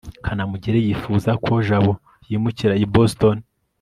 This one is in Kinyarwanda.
kanamugire yifuza ko jabo yimukira i boston